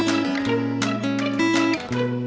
ว่าจะมาเล่นบุรุษ